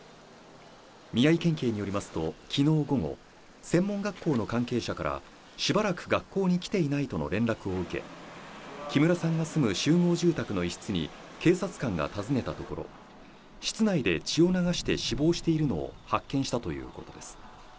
宮城県警によりますと、昨日午後、専門学校の関係者から、しばらく学校に来ていないとの連絡を受け、木村さんが住む集合住宅の一室に警察官が訪ねたところ、室内で血を流して死亡しているのを発見したということです。